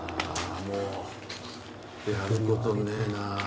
もうやることねえな